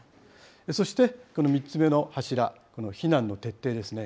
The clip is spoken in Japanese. そしてこの３つ目の柱、避難の徹底ですね。